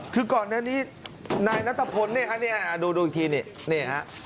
คือก่อนเนี่ยนัทธพลเนี่ยอ่ะเนี่ยดูดูอีกทีเนี่ย